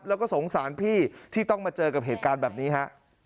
แล้วก็สงสารพี่ที่ต้องมาเจอกับเหตุการณ์แบบนี้ฮะ